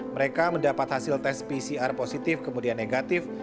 mereka mendapat hasil tes pcr positif kemudian negatif